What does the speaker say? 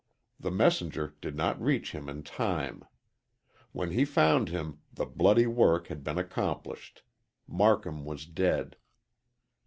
The messenger did not reach him in time. When he found him the bloody work had been accomplished Marcum was dead.